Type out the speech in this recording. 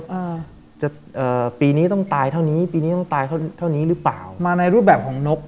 อ่าจะเอ่อปีนี้ต้องตายเท่านี้ปีนี้ต้องตายเท่าเท่านี้หรือเปล่ามาในรูปแบบของนก